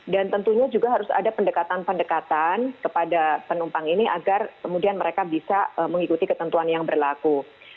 dan tentunya juga harus ada pendekatan pendekatan kepada penumpang ini agar kemudian mereka bisa mengikuti ketentuan yang berlaku